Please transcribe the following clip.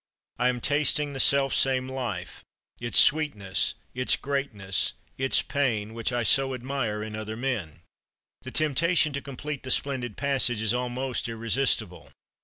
I am tasting the self same life its sweetness, its greatness, its pain which I so admire in other men." The temptation to complete the splendid passage is almost irresistible.